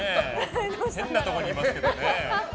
変なところにいますけど。